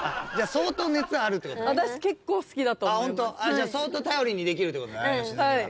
じゃあ相当頼りにできるってことだね吉住は。